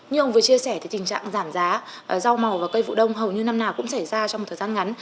như ông vừa chia sẻ thì tình trạng giảm giá rau màu và cây vụ đông hầu như năm nào cũng xảy ra trong một thời gian ngắn